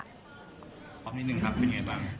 ครอบนี้หนึ่งครับเป็นอย่างไรบ้าง